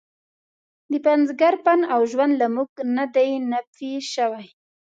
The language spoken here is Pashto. د پنځګر فن او ژوند له موږ نه دی نفي شوی.